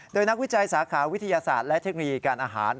โดยนักวิจัยสาขาวิทยาศาสตร์และเทคโนโลยีการอาหาร